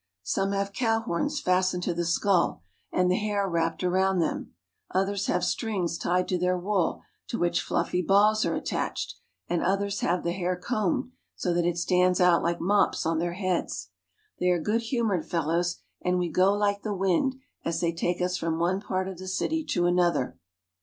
Some have cow horns fastened to the skull I^H NATAL, THE GARDEN OF SOUTH AFIUCA 315 and the hair wrapped around them; others have strings tied to their wool to which fluffy balls are attached; and others have the hair combed so that it stands out Hke mops on their heads. They are good humored fellows, and we go like the wind as they take us from one part of the city to another.